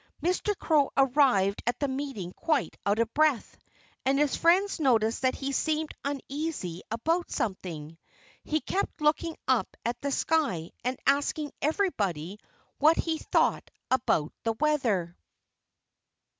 Mr. Crow arrived at the meeting quite out of breath. And his friends noticed that he seemed uneasy about something. He kept looking up at the sky and asking everybody what he thought about the weather.